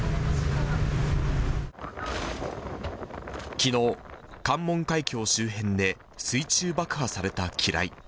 きのう、関門海峡周辺で水中爆破された機雷。